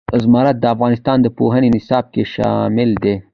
زمرد د افغانستان د پوهنې نصاب کې شامل دي.